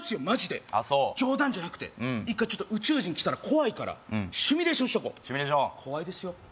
マジであそう冗談じゃなくて一回ちょっと宇宙人来たら怖いからシミュレーションしとこう怖いですよ